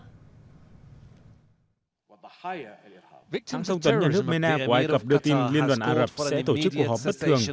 tâm thông tấn nhân hước mena của ai cập đưa tin liên đoàn ả rập sẽ tổ chức cuộc họp bất thường